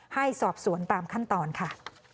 ให้สอบสวนตามขั้นตอนค่ะ